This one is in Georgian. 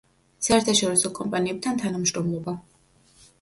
საერთაშორისო კომპანიებთან თანამშრომლობა.